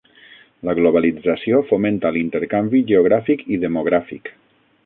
La globalització fomenta l'intercanvi geogràfic i demogràfic.